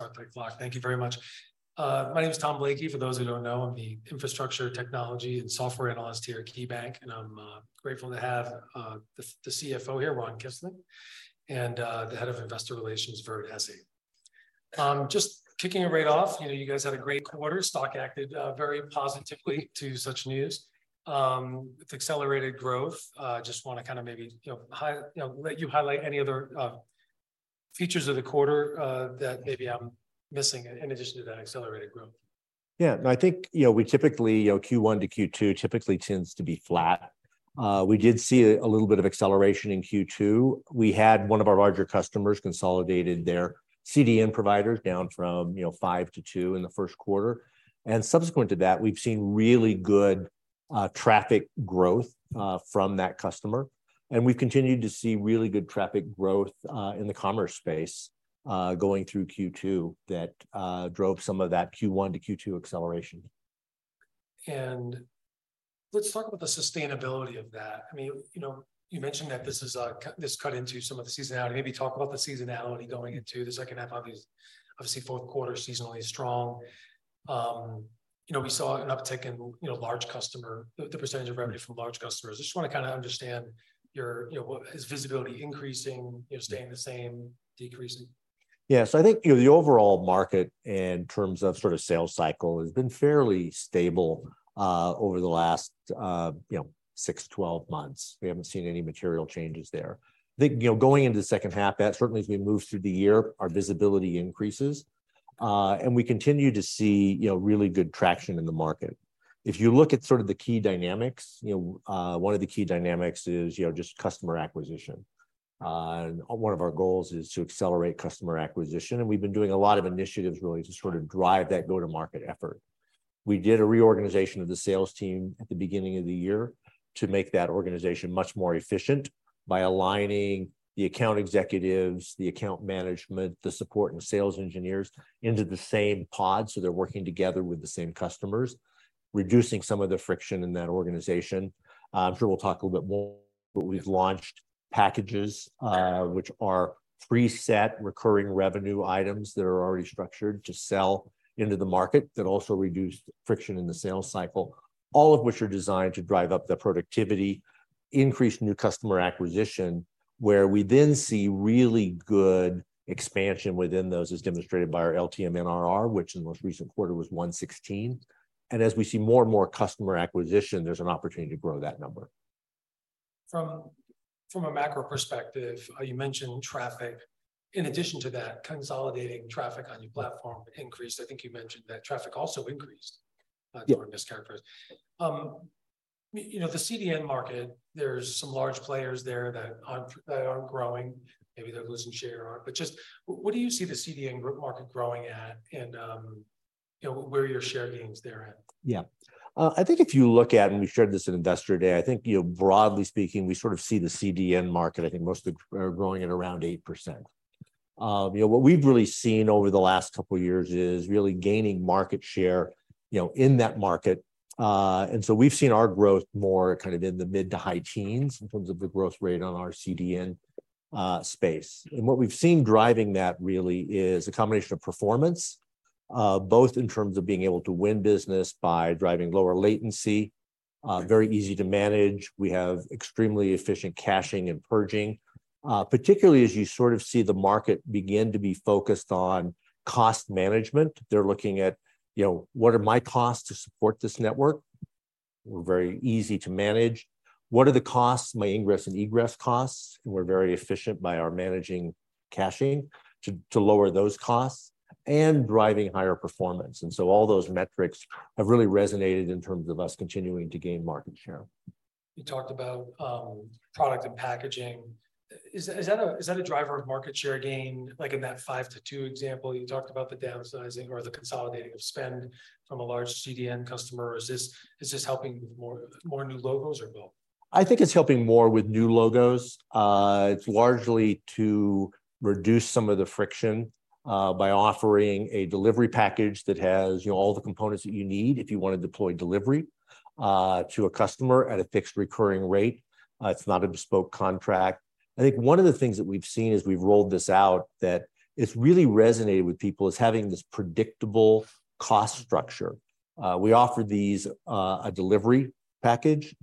Start the clock. Thank you very much. My name is Tom Blakey, for those who don't know, I'm the infrastructure, technology, and software analyst here at KeyBanc, and I'm grateful to have the CFO here, Ron Kisling, and the head of Investor Relations, Vernon Essi. Just kicking it right off, you know, you guys had a great quarter. Stock acted very positively to such news, with accelerated growth. Just want to kind of maybe, you know, let you highlight any other features of the quarter that maybe I'm missing in addition to that accelerated growth. Yeah. No, I think, you know, we typically, you know, Q1 to Q2 typically tends to be flat. We did see a little bit of acceleration in Q2. We had one of our larger customers consolidated their CDN providers down from, you know, 5 to 2 in the first quarter, and subsequent to that, we've seen really good traffic growth from that customer. We've continued to see really good traffic growth in the commerce space going through Q2 that drove some of that Q1 to Q2 acceleration. Let's talk about the sustainability of that. I mean, you know, you mentioned that this is, cut-- this cut into some of the seasonality. Maybe talk about the seasonality going into the second half, obviously, obviously, fourth quarter seasonally strong. You know, we saw an uptick in, you know, large customer-- the, the percentage of revenue from large customers. I just want to kind of understand your... you know, what, is visibility increasing, you know, staying the same, decreasing? Yeah. I think, you know, the overall market in terms of sort of sales cycle has been fairly stable, over the last, you know, six to 12 months. We haven't seen any material changes there. I think, you know, going into the second half, that certainly as we move through the year, our visibility increases, and we continue to see, you know, really good traction in the market. If you look at sort of the key dynamics, you know, one of the key dynamics is, you know, just customer acquisition. One of our goals is to accelerate customer acquisition, and we've been doing a lot of initiatives really to sort of drive that go-to-market effort. We did a reorganization of the sales team at the beginning of the year to make that organization much more efficient by aligning the account executives, the account management, the support, and sales engineers into the same pod, so they're working together with the same customers, reducing some of the friction in that organization. I'm sure we'll talk a little bit more, but we've launched packages, which are preset recurring revenue items that are already structured to sell into the market. That also reduced friction in the sales cycle, all of which are designed to drive up the productivity, increase new customer acquisition, where we then see really good expansion within those, as demonstrated by our LTM NRR, which in the most recent quarter was 116. As we see more and more customer acquisition, there's an opportunity to grow that number. From a macro perspective, you mentioned traffic. In addition to that, consolidating traffic on your platform increased. I think you mentioned that traffic also increased... Yeah if I'm mischaracterized. You know, the CDN market, there's some large players there that aren't, that aren't growing. Maybe they're losing share or... Just what do you see the CDN group market growing at, and, you know, where are your share gains there at? Yeah. I think if you look at, and we've shared this at Investor Day, I think, you know, broadly speaking, we sort of see the CDN market, I think mostly, growing at around 8%. You know, what we've really seen over the last couple of years is really gaining market share, you know, in that market. So we've seen our growth more kind of in the mid-to-high teens in terms of the growth rate on our CDN, space. What we've seen driving that really is a combination of performance, both in terms of being able to win business by driving lower latency, very easy to manage. We have extremely efficient caching and purging. Particularly as you sort of see the market begin to be focused on cost management, they're looking at, you know, "What are my costs to support this network?" We're very easy to manage. "What are the costs, my ingress and egress costs?" We're very efficient by our managing caching to, to lower those costs and driving higher performance. So all those metrics have really resonated in terms of us continuing to gain market share. You talked about product and packaging. Is, is that a, is that a driver of market share gain, like in that 5 to 2 example, you talked about the downsizing or the consolidating of spend from a large CDN customer? Is this, is this helping more, more new logos or both? I think it's helping more with new logos. It's largely to reduce some of the friction, by offering a delivery package that has, you know, all the components that you need if you want to deploy delivery, to a customer at a fixed recurring rate. It's not a bespoke contract. I think one of the things that we've seen as we've rolled this out that it's really resonated with people, is having this predictable cost structure. We offer these, a delivery package,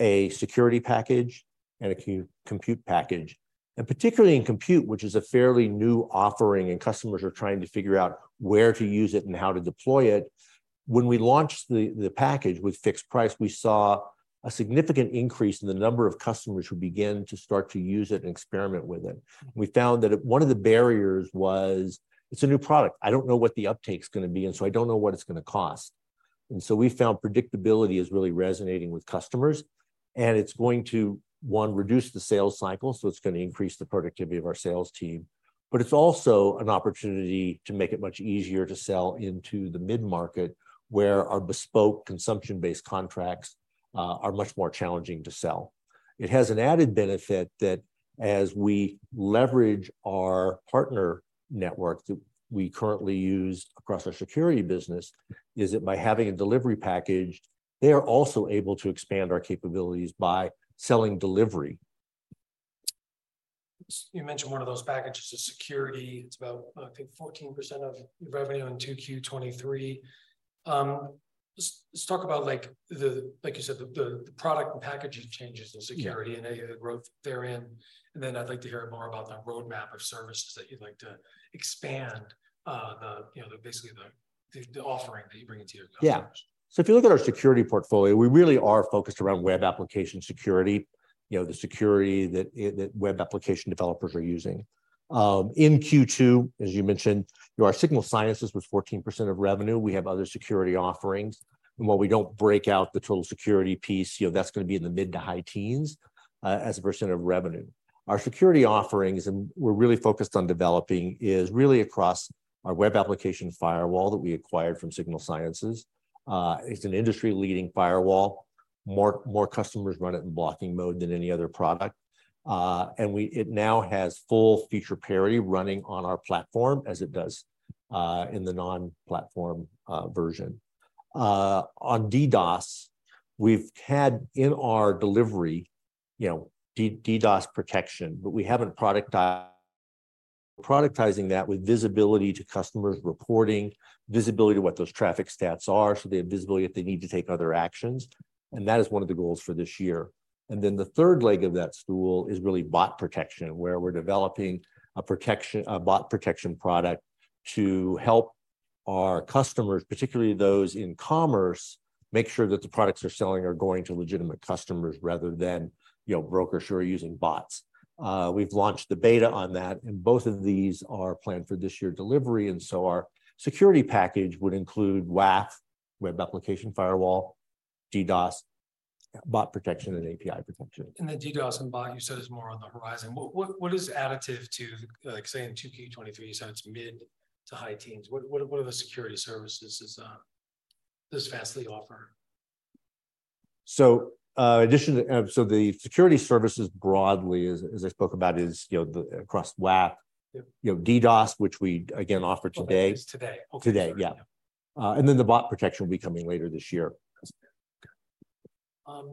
a security package, and a compute package, and particularly in compute, which is a fairly new offering, and customers are trying to figure out where to use it and how to deploy it. When we launched the, the package with fixed price, we saw a significant increase in the number of customers who began to start to use it and experiment with it. We found that one of the barriers was: "It's a new product. I don't know what the uptake is going to be, and so I don't know what it's going to cost." We found predictability is really resonating with customers, and it's going to, one, reduce the sales cycle, so it's going to increase the productivity of our sales team. It's also an opportunity to make it much easier to sell into the mid-market, where our bespoke consumption-based contracts, are much more challenging to sell. It has an added benefit that as we leverage our partner network that we currently use across our security business, is that by having a delivery package, they are also able to expand our capabilities by selling delivery-... You mentioned one of those packages is security. It's about, I think, 14% of your revenue in 2Q, 2023. let's, let's talk about like, the, like you said, the, the, the product and packaging changes in security. Yeah The growth therein, and then I'd like to hear more about that roadmap or services that you'd like to expand, the, you know, the basically the, the, the offering that you bring into your customers. Yeah. If you look at our security portfolio, we really are focused around web application security, you know, the security that web application developers are using. In Q2, as you mentioned, our Signal Sciences was 14% of revenue. We have other security offerings, and while we don't break out the total security piece, you know, that's going to be in the mid to high teens as a % of revenue. Our security offerings, and we're really focused on developing, is really across our Web Application Firewall that we acquired from Signal Sciences. It's an industry-leading firewall. More customers run it in blocking mode than any other product. It now has full feature parity running on our platform as it does in the non-platform version. On DDoS, we've had in our delivery, you know, D-DDoS protection, but we haven't productizing that with visibility to customers, reporting, visibility to what those traffic stats are, so they have visibility if they need to take other actions, and that is one of the goals for this year. Then the third leg of that stool is really bot protection, where we're developing a protection, a bot protection product to help our customers, particularly those in commerce, make sure that the products they're selling are going to legitimate customers rather than, you know, brokers who are using bots. We've launched the beta on that, and both of these are planned for this year delivery, and so our security package would include WAF, Web Application Firewall, DDoS, bot protection, and API protection. The DDoS and bot you said is more on the horizon. What, what, what is additive to, like, say, in 2Q 2023, you said it's mid-to-high teens? What, what, what are the security services, does Fastly offer? The security services broadly, as, as I spoke about, is, you know, the across WAF. Yeah... you know, DDoS, which we again offer today. Today. Okay. Today, yeah. Yeah. Then the bot protection will be coming later this year. Okay.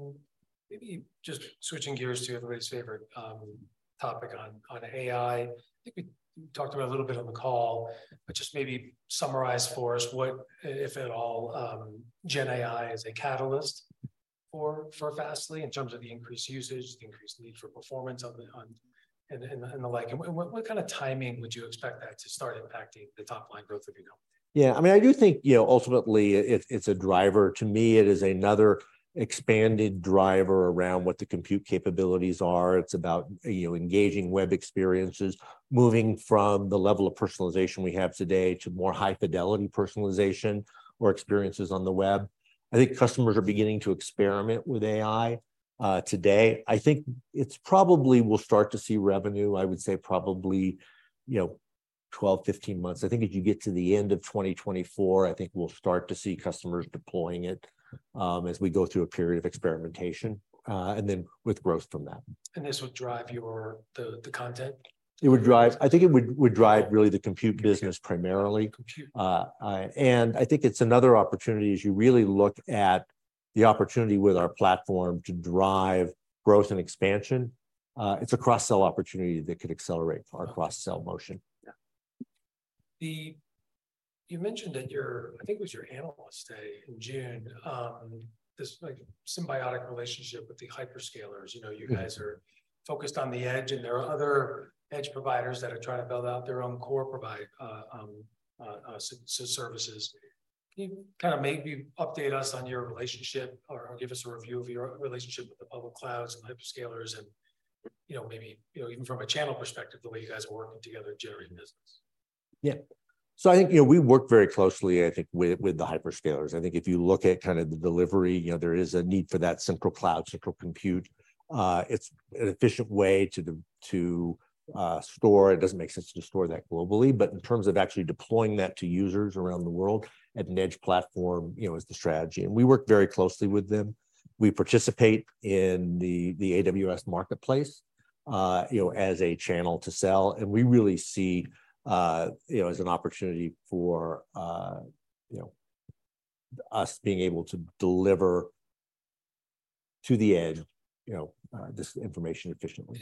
Maybe just switching gears to everybody's favorite topic on, on AI. I think we talked about it a little bit on the call, but just maybe summarize for us what, if at all, Gen AI is a catalyst for, for Fastly in terms of the increased usage, increased need for performance on the on, and, and the like, and what, what kind of timing would you expect that to start impacting the top-line growth of your company? Yeah, I mean, I do think, you know, ultimately it's a driver. To me, it is another expanded driver around what the compute capabilities are. It's about, you know, engaging web experiences, moving from the level of personalization we have today to more high-fidelity personalization or experiences on the web. I think customers are beginning to experiment with AI today. I think it's probably we'll start to see revenue, I would say probably, you know, 12, 15 months. I think as you get to the end of 2024, I think we'll start to see customers deploying it, as we go through a period of experimentation, and then with growth from that. This would drive your, the content? I think it would drive really the compute business primarily. I think it's another opportunity as you really look at the opportunity with our platform to drive growth and expansion. It's a cross-sell opportunity that could accelerate our cross-sell motion. Yeah. You mentioned at your, I think it was your Analyst Day in June, this, like, symbiotic relationship with the hyperscalers. You know.... you guys are focused on the edge, and there are other edge providers that are trying to build out their own core provide services. Can you maybe update us on your relationship, or, or give us a review of your relationship with the public clouds and hyperscalers and, you know, maybe, you know, even from a channel perspective, the way you guys are working together generating business? I think, you know, we work very closely, I think, with, with the hyperscalers. I think if you look at the delivery, you know, there is a need for that central cloud, central compute. It's an efficient way to, to store. It doesn't make sense to store that globally, but in terms of actually deploying that to users around the world, at an edge platform, you know, is the strategy. We work very closely with them. We participate in the, the AWS Marketplace, you know, as a channel to sell. We really see, you know, as an opportunity for, you know, us being able to deliver to the edge, you know, this information efficiently.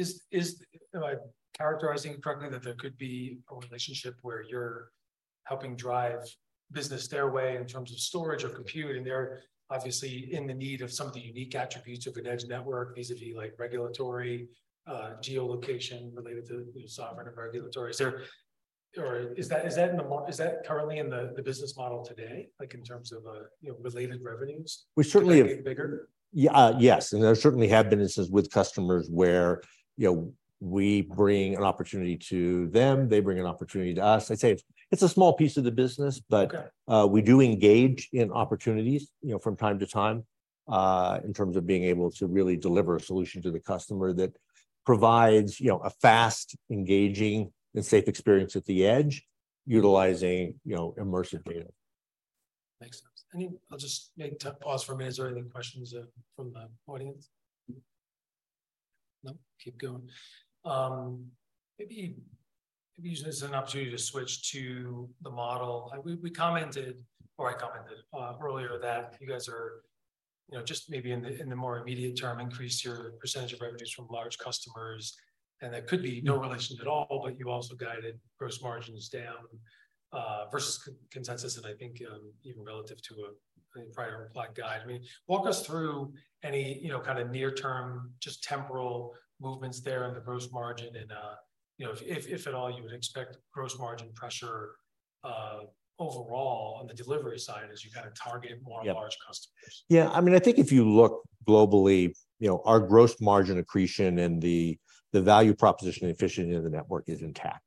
Am I characterizing correctly that there could be a relationship where you're helping drive business their way in terms of storage or compute, and they're obviously in the need of some of the unique attributes of an edge network, vis-a-vis like regulatory, geolocation related to sovereign and regulatory? Is there, or is that currently in the business model today, like in terms of, you know, related revenues? We certainly have- Could it be bigger? Yeah, yes, there certainly have been instances with customers where, you know, we bring an opportunity to them, they bring an opportunity to us. I'd say it's, it's a small piece of the business, but. Okay We do engage in opportunities, you know, from time to time, in terms of being able to really deliver a solution to the customer that provides, you know, a fast, engaging, and safe experience at the edge, utilizing, you know, immersive data. Makes sense. Any... I'll just pause for a minute. Is there any questions from the audience? No, keep going. Maybe this is an opportunity to switch to the model. We, we commented, or I commented earlier that you guys are, you know, just maybe in the, in the more immediate term, increase your percentage of revenues from large customers, and there could be no relation at all, but you also guided gross margins down versus consensus and I think even relative to a, a prior guide. I mean, walk us through any, you know, kind of near-term, just temporal movements there in the gross margin and, you know, if, if, if at all, you would expect gross margin pressure overall on the delivery side as you kind of target more- Yeah large customers. Yeah. I mean, I think if you look globally, you know, our gross margin accretion and the, the value proposition and efficiency of the network is intact.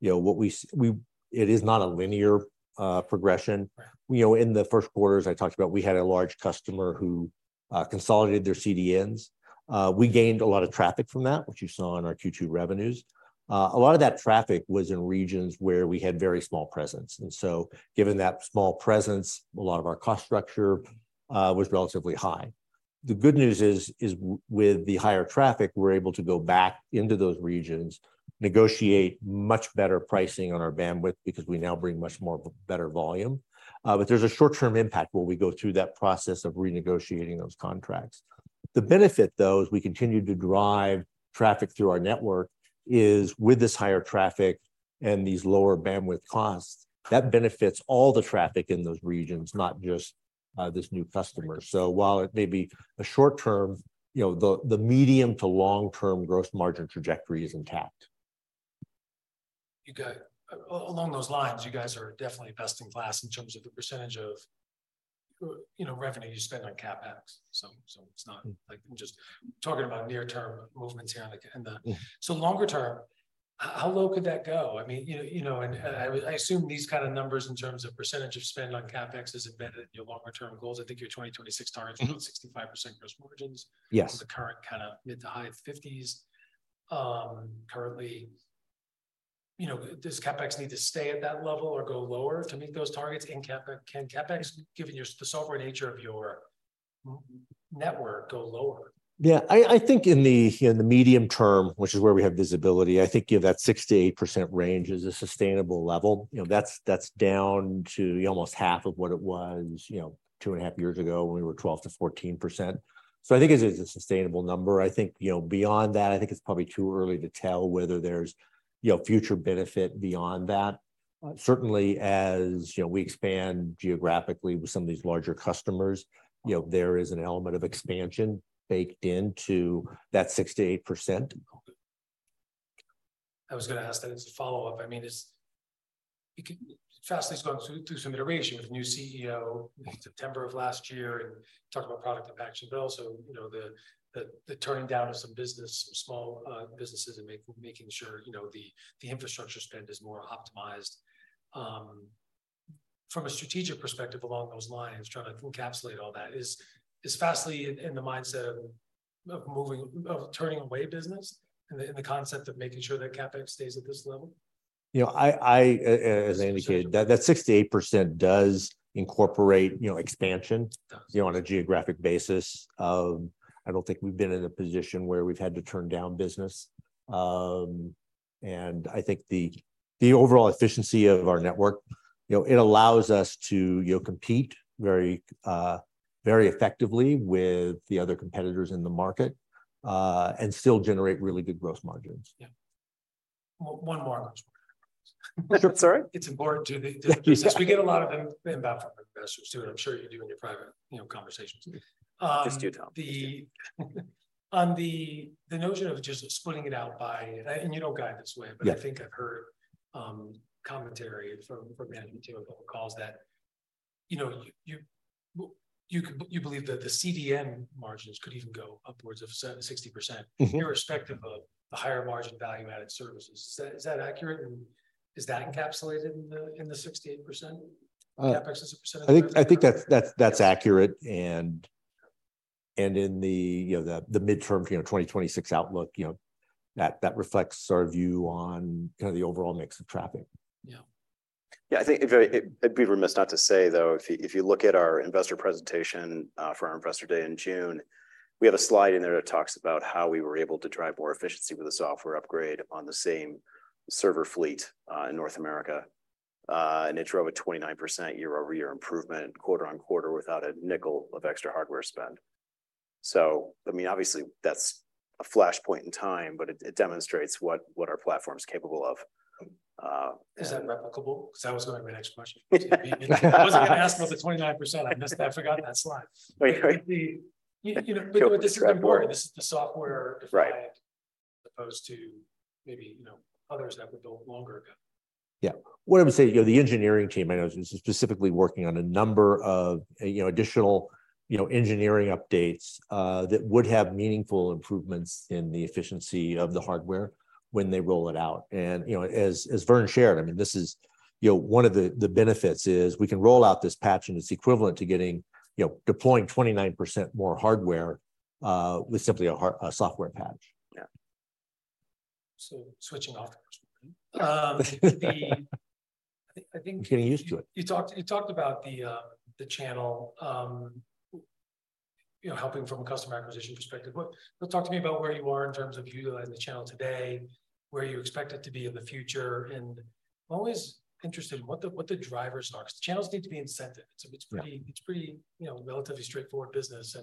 You know, it is not a linear progression. Right. You know, in the first quarter, as I talked about, we had a large customer who consolidated their CDNs. We gained a lot of traffic from that, which you saw in our Q2 revenues. A lot of that traffic was in regions where we had very small presence, and so given that small presence, a lot of our cost structure was relatively high. The good news is, is with the higher traffic, we're able to go back into those regions, negotiate much better pricing on our bandwidth because we now bring much more better volume. There's a short-term impact where we go through that process of renegotiating those contracts. The benefit, though, is we continue to drive traffic through our network, is with this higher traffic and these lower bandwidth costs, that benefits all the traffic in those regions, not just, this new customer. While it may be a short term, you know, the, the medium to long-term growth margin trajectory is intact. You guys along those lines, you guys are definitely best in class in terms of the percentage of, you know, revenue you spend on CapEx. like just talking about near-term movements here on the agenda. Yeah. longer term, how low could that go? I mean, you know, you know, and I assume these kind of numbers in terms of percentage of spend on CapEx has embedded in your longer-term goals. I think your 2026 target-... is about 65% gross margins. Yes. The current kind of mid to high fifties, currently, you know, does CapEx need to stay at that level or go lower to meet those targets? Can CapEx, given your, the software nature of your network, go lower? Yeah, I, I think in the, in the medium term, which is where we have visibility, I think, you know, that 6%-8% range is a sustainable level. You know, that's, that's down to almost half of what it was, you know, two and a half years ago when we were 12%-14%. I think it is a sustainable number. I think, you know, beyond that, I think it's probably too early to tell whether there's, you know, future benefit beyond that. Certainly, as, you know, we expand geographically with some of these larger customers, you know, there is an element of expansion baked into that 6%-8%. I was going to ask that as a follow-up. I mean, it's... You could Fastly's gone through, through some iteration with a new CEO in September of last year, and you talked about Product Impact Bill. You know, the, the, the turning down of some business, some small businesses and making sure, you know, the, the infrastructure spend is more optimized. From a strategic perspective, along those lines, trying to encapsulate all that, is, is Fastly in, in the mindset of, of moving, of turning away business, in the, in the concept of making sure that CapEx stays at this level? You know, I, as I indicated, that 6%-8% does incorporate, you know. It does.... you know, on a geographic basis. I don't think we've been in a position where we've had to turn down business. I think the, the overall efficiency of our network, you know, it allows us to, you know, compete very, very effectively with the other competitors in the market, and still generate really good growth margins. Yeah. One more last one. Sorry? It's important to. Thank you, sir. We get a lot of them about from investors, too, and I'm sure you do in your private, you know, conversations. Yes, we do. on the notion of just splitting it out by, and you don't guide this way. Yeah I think I've heard commentary from, from management on a couple of calls that, you know, you, you, you believe that the CDN margins could even go upwards of 60%.... irrespective of the higher margin value added services. Is that, is that accurate, and is that encapsulated in the, in the 6%-8% CapEx as a percentage? I think, I think that's, that's, that's accurate, and, and in the, you know, the, the midterm, you know, 2026 outlook, you know, that, that reflects our view on kind of the overall mix of traffic. Yeah. Yeah, I think it I'd be remiss not to say, though, if you, if you look at our investor presentation, for our Investor Day in June, we have a slide in there that talks about how we were able to drive more efficiency with a software upgrade on the same server fleet, in North America. It drove a 29% year-over-year improvement quarter-on-quarter without a $0.05 of extra hardware spend. I mean, obviously, that's a flashpoint in time, but it, it demonstrates what, what our platform is capable of. Is that replicable? That was going to be my next question. I wasn't going to ask about the 29%. I missed that. I forgot that slide. Right. The, you know, this is important. This is the software- Right as opposed to maybe, you know, others that were built longer ago. Yeah. What I would say, you know, the engineering team I know is specifically working on a number of, you know, additional, you know, engineering updates that would have meaningful improvements in the efficiency of the hardware when they roll it out. As, you know, as Vern shared, I mean, this is, you know, one of the, the benefits is we can roll out this patch, and it's equivalent to getting, you know, deploying 29% more hardware with simply a software patch. Yeah. switching off. Getting used to it. You talked about the channel, you know, helping from a customer acquisition perspective. Talk to me about where you are in terms of utilizing the channel today, where you expect it to be in the future, and I'm always interested in what the, what the drivers are, 'cause channels need to be incentive? Yeah. It's pretty, it's pretty, you know, relatively straightforward business.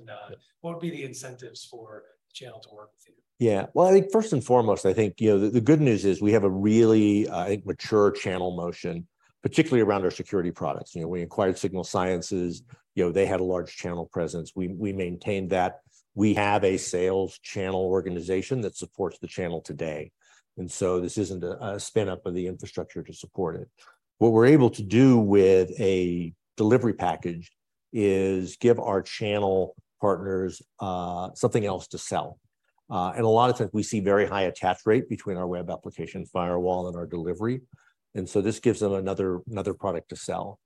What would be the incentives for the channel to work with you? Yeah. Well, I think first and foremost, I think, you know, the, the good news is we have a really, I think mature channel motion, particularly around our security products. You know, we acquired Signal Sciences, you know, they had a large channel presence. We, we maintained that. We have a sales channel organization that supports the channel today, and so this isn't a, a spin up of the infrastructure to support it. What we're able to do with a delivery package is give our channel partners, something else to sell. And a lot of times we see very high attach rate between our Web Application Firewall and our delivery, and so this gives them another, another product to sell.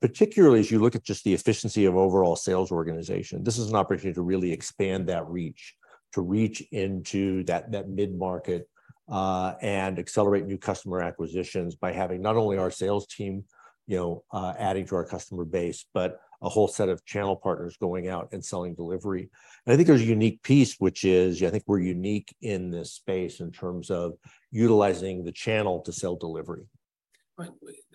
Particularly as you look at just the efficiency of overall sales organization, this is an opportunity to really expand that reach, to reach into that, that mid-market, and accelerate new customer acquisitions by having not only our sales team, adding to our customer base, but a whole set of channel partners going out and selling delivery. I think there's a unique piece, which is, I think we're unique in this space in terms of utilizing the channel to sell delivery. Right.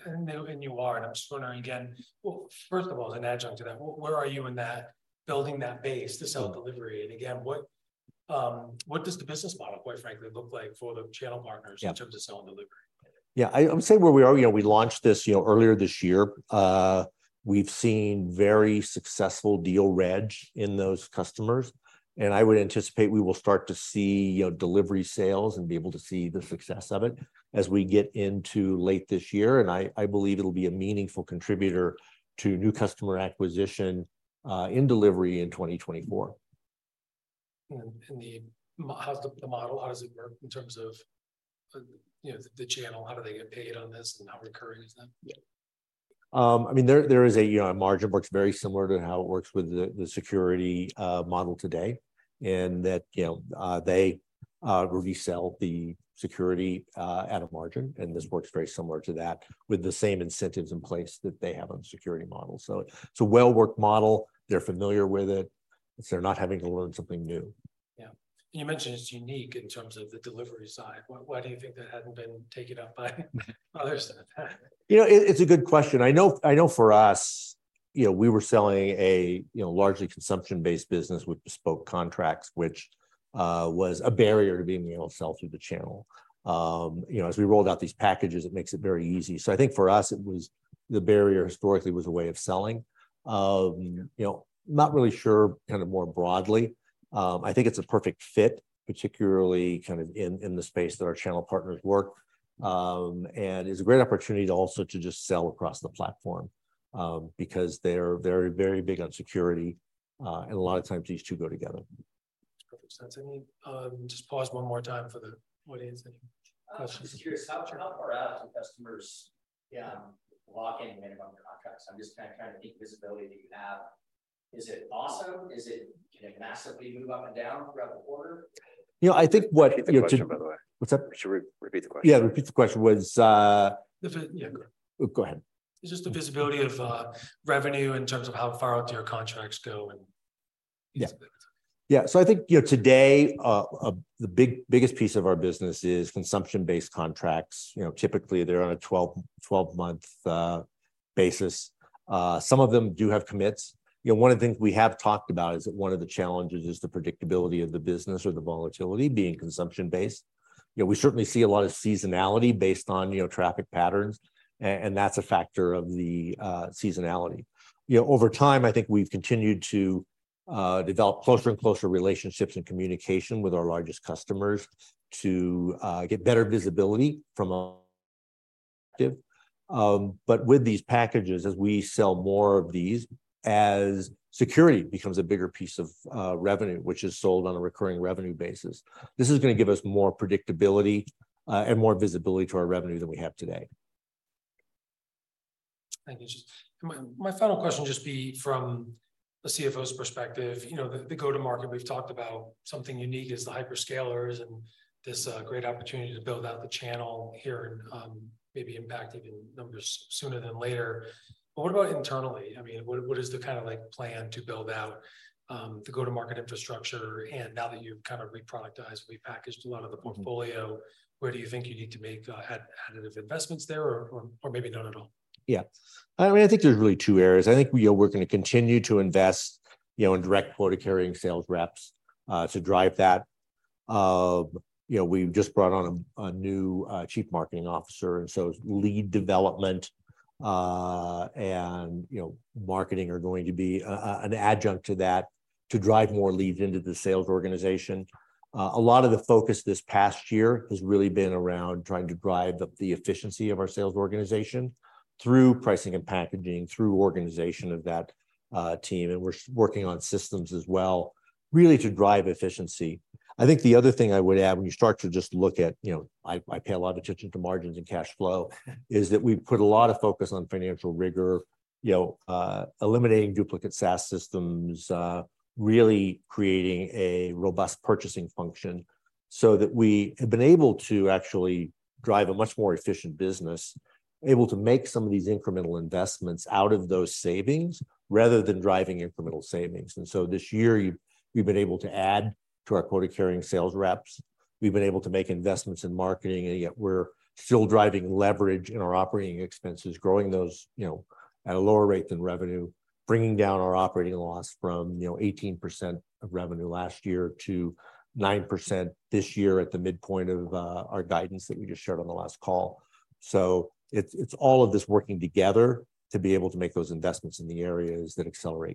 and you are, and I'm just wondering again. Well, first of all, as an adjunct to that, where are you in that building that base to sell delivery? Again, what, what does the business model, quite frankly, look like for the channel partners? Yeah in terms of selling delivery? Yeah, I, I would say where we are, you know, we launched this, you know, earlier this year. We've seen very successful deal registration in those customers, and I would anticipate we will start to see, you know, delivery sales and be able to see the success of it as we get into late this year. I, I believe it'll be a meaningful contributor to new customer acquisition in delivery in 2024. How's the model, how does it work in terms of, you know, the channel? How do they get paid on this, and how recurring is that? Yeah. I mean, there, there is a, you know, a margin works very similar to how it works with the, the security model today. In that, you know, they resell the security at a margin, and this works very similar to that, with the same incentives in place that they have on the security model. It's a well-worked model. They're familiar with it, so they're not having to learn something new. Yeah. You mentioned it's unique in terms of the delivery side. Why, why do you think that hadn't been taken up by others then? You know, it, it's a good question. I know, I know for us, you know, we were selling a, you know, largely consumption-based business with bespoke contracts, which was a barrier to being able to sell through the channel. You know, as we rolled out these packages, it makes it very easy. I think for us, it was the barrier historically was a way of selling. You know, not really sure, kind of more broadly. I think it's a perfect fit, particularly kind of in, in the space that our channel partners work. It's a great opportunity to also to just sell across the platform, because they're very, very big on security, and a lot of times these two go together. Perfect sense. Let me just pause one more time for the audience anymore questions? I'm just curious, how, how far out do customers, yeah, lock in many of their contracts? I'm just kind of think the visibility that you have, is it awesome? Can it massively move up and down throughout the quarter? You know, I think. Repeat the question, by the way. What's that? We should re-repeat the question. Yeah, repeat the question was. Yeah, go. Go ahead. It's just the visibility of revenue in terms of how far out do your contracts go, and- Yeah. Yeah. Yeah. I think, you know, today, the biggest piece of our business is consumption-based contracts. You know, typically, they're on a 12, 12-month basis. Some of them do have commits. You know, one of the things we have talked about is that one of the challenges is the predictability of the business or the volatility being consumption-based. You know, we certainly see a lot of seasonality based on, you know, traffic patterns, and that's a factor of the seasonality. You know, over time, I think we've continued to develop closer and closer relationships and communication with our largest customers to get better visibility from a perspective. With these packages, as we sell more of these, as security becomes a bigger piece of revenue, which is sold on a recurring revenue basis, this is gonna give us more predictability, and more visibility to our revenue than we have today. Thank you. Just my, my final question, just be from a CFO's perspective, you know, the, the go-to-market, we've talked about something unique is the hyperscalers and this, great opportunity to build out the channel here and, maybe impacting in numbers sooner than later. What about internally? I mean, what, what is the kind of, like, plan to build out, the go-to-market infrastructure? Now that you've kind of reproductized, repackaged a lot of the portfolio, where do you think you need to make, additive investments there, or, or, or maybe none at all? Yeah. I mean, I think there's really 2 areas. I think, you know, we're gonna continue to invest, you know, in direct quota-carrying sales reps to drive that. You know, we've just brought on a new Chief Marketing Officer, and so lead development and, you know, marketing are going to be an adjunct to that to drive more leads into the sales organization. A lot of the focus this past year has really been around trying to drive up the efficiency of our sales organization through pricing and packaging, through organization of that team, and we're working on systems as well, really to drive efficiency. I think the other thing I would add when you start to just look at, you know, I, I pay a lot of attention to margins and cash flow, is that we've put a lot of focus on financial rigor. You know, eliminating duplicate SaaS systems, really creating a robust purchasing function so that we have been able to actually drive a much more efficient business, able to make some of these incremental investments out of those savings rather than driving incremental savings. This year, we've, we've been able to add to our quota-carrying sales reps. We've been able to make investments in marketing, and yet we're still driving leverage in our operating expenses, growing those, you know, at a lower rate than revenue, bringing down our operating loss from, you know, 18% of revenue last year to 9% this year at the midpoint of our guidance that we just shared on the last call. It's, it's all of this working together to be able to make those investments in the areas that accelerate...